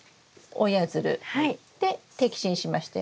摘心しましたよね？